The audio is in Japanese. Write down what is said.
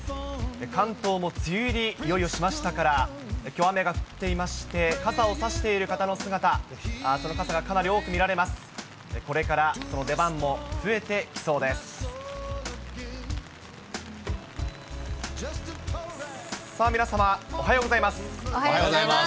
関東も梅雨入り、いよいよしましたから、きょう、雨が降っていまして、傘を差している方の姿、その傘がかなり多く見られます。